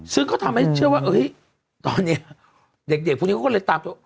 ซึ่งก็ทำให้เชื่อว่าตอนนี้เด็กพวกนี้เขาก็เลยตามตัว